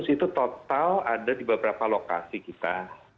empat ratus itu total ada di beberapa lokasi kita